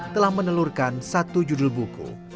telah menelurkan satu judul buku